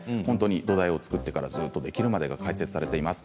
土台を造ってからずっとできるまで解説されています。